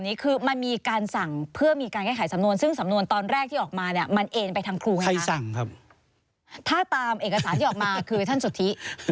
ได้คุยกันไหมไม่ต้องบอกดิฉันก็ได้